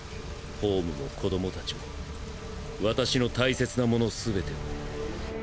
ホームも子どもたちも私の大切なものすべてを。